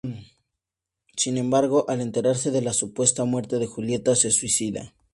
Sin embargo, al enterarse de la supuesta muerte de Julieta, se suicida.